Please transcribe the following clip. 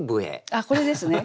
あっこれですね？